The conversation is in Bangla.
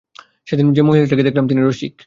সেদিন যে মহিলাটিকে দেখলাম, তিনি– রসিক।